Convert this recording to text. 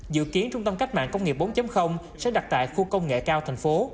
dự kiến trung tâm cách mạng công nghiệp bốn sẽ đặt tại khu công nghệ cao thành phố